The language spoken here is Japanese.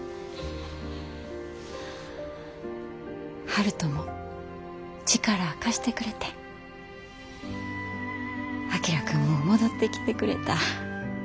悠人も力貸してくれて章君も戻ってきてくれた。